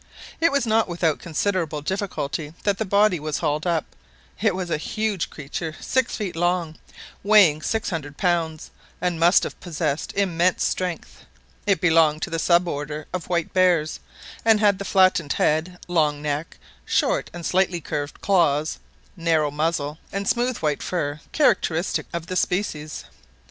It was not without considerable difficulty that the body was hauled up. It was a huge creature, six feet long, weighing six hundred pounds, and must have possessed immense strength. It belonged to the sub order of white bears, and had the flattened head, long neck, short and slightly curved claws, narrow muzzle, and smooth white fur characteristic of the species.